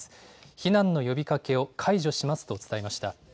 避難の呼びかけを解除しますと伝えました。